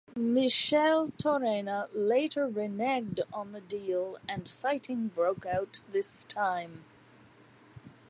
Micheltorena later reneged on the deal and fighting broke out this time.